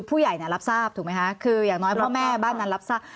รับทราบถูกไหมคะคืออย่างน้อยพ่อแม่บ้านนั้นรับทราบ